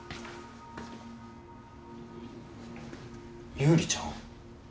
優里ちゃん？